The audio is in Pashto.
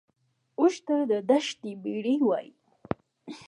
اوښ ته د دښتې بیړۍ وایي